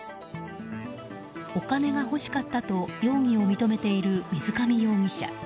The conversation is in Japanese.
お金が欲しかったと容疑を認めている水上容疑者。